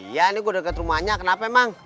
iya ini gue deket rumahnya kenapa emang